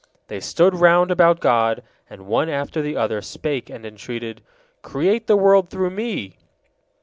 They stood round about God, and one after the other spake and entreated, "Create the world through me!"